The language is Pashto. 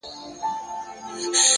زما زنده گي وخوړه زې وخوړم’